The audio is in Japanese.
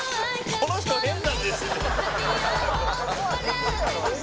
「この人、変なんです」